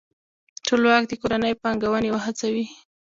ټولواک دې کورني پانګوونکي وهڅوي.